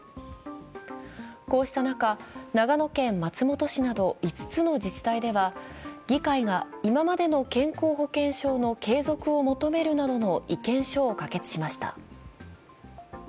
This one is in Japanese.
こうした中、長野県松本市など５つの自治体では議会が今までの健康保険証の継続を求めるなどの意見書を可決しました。